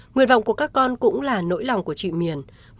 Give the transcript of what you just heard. nguyện vọng của các con cũng là nỗi lòng của chị miền